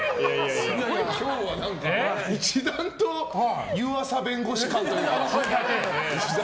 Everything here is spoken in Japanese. すごい今日は一段と湯浅弁護士感というか。